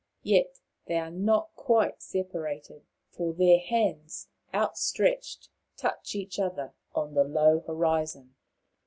Yet they are not quite separated, for their hands, outstretched, touch each other on the low horizon.